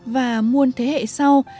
và muôn thế hệ sau